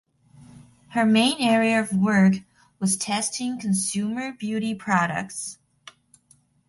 Her main area of work was testing consumer beauty products.